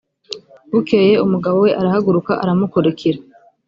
bukeye umugabo we arahaguruka aramukurikira